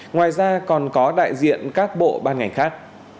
ngoài ra còn có đại diện các bộ ban ngành khác